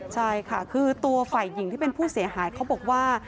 ใช่ค่ะคือตัวฝ่ายหญิงที่เป็นผู้เสียหายเขาบอกว่า